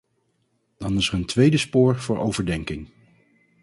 Dan is er een tweede spoor voor overdenking.